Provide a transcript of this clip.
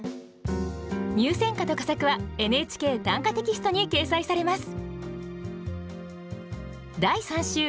入選歌と佳作は「ＮＨＫ短歌」テキストに掲載されます。